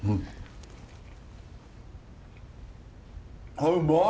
あっうまい！